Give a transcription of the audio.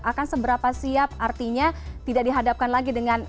akan seberapa siap artinya tidak dihadapkan lagi dengan